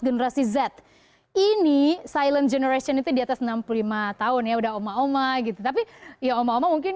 generasi z ini silent generation itu di atas enam puluh lima tahun ya udah oma oma gitu tapi ya oma oma mungkin